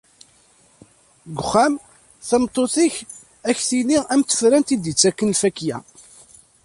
Deg uxxam, tameṭṭut-ik ad k-tili am tferrant i d-ittaken lfakya.